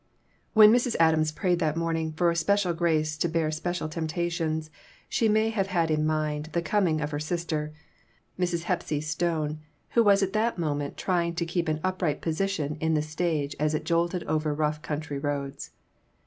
WHEN Mrs. Adams prayed that morning for special grace to bear special temptations, she may have had in mind the coming of her sister, Mrs. Hepsy Stone, who was at that moment trying to keep an upright position in the stage as it jolted over rough country roads.